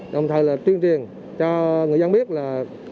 đồng thời là tuyên truyền cho người dân biết là